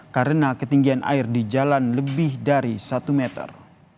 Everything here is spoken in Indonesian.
karena ketinggian air di jalan lebih dari satu meter